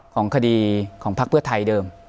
ของคดีของพักเพื่อไทยเดิม